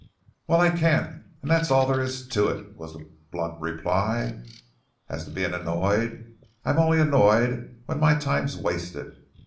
"Well, I can't, and that's all there is to it," was the blunt reply. "As to being annoyed, I am only annoyed when my time's wasted.